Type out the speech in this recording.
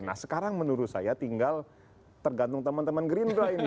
nah sekarang menurut saya tinggal tergantung teman teman gerindra ini